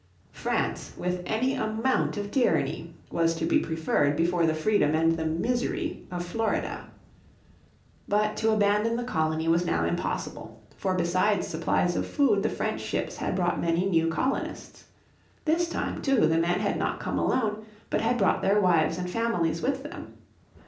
France with any amount of tyranny was to be preferred before the freedom and the misery of Florida. But to abandon the colony was now impossible, for besides supplies of food the French ships had brought many new colonists. This time, too, the men had not come alone but had brought their wives and families with them.